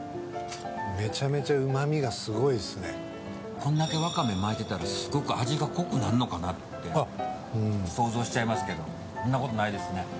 こんだけ、ワカメ巻いてたらすごく味が濃くなるのかなって想像しちゃいますけどそんなことないですね。